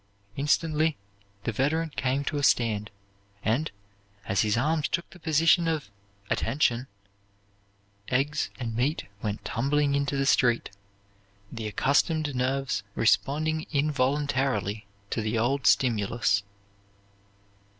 Instantly the veteran came to a stand; and, as his arms took the position of "attention," eggs and meat went tumbling into the street, the accustomed nerves responding involuntarily to the old stimulus.